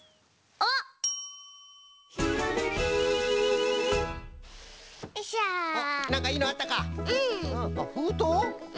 あっふうとう？